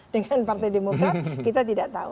dengan partai demokrat kita tidak tahu